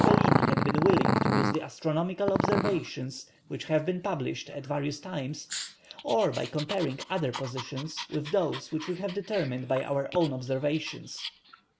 Bellin had been willing to use the astronomical observations which have been published at various times_; or by comparing other positions with those which we have determined by our own observations."